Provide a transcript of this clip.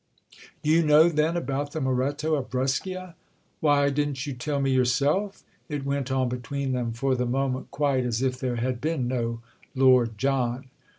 "You know then about the Moretto of Brescia?" "Why, didn't you tell me yourself?" It went on between them for the moment quite as if there had been no Lord John.